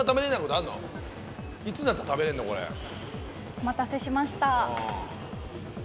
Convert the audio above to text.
お待たせしました。